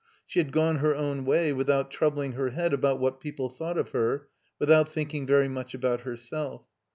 She had gone her own way without troubling her head about what people thought of her, without thinking very much about herself.